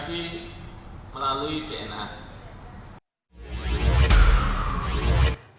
sudah ada korespondensi ann indonesia arman helmi